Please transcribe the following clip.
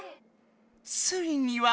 ついには。